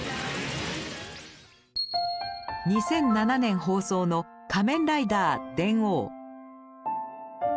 ２００７年放送の「仮面ライダー電王」。